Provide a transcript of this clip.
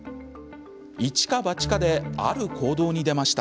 一か八かで、ある行動に出ました。